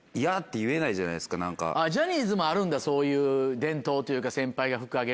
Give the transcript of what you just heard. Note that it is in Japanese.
ジャニーズもあるんだそういう伝統というか先輩が服あげるとか。